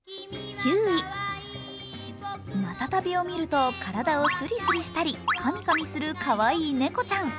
またたびを見ると体をスリスリしたりかみかみするかわいい猫ちゃん。